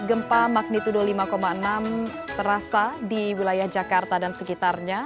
gempa magnitudo lima enam terasa di wilayah jakarta dan sekitarnya